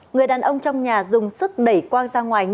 người đàn ông trong nhà dùng sức đẩy quang ra ngoài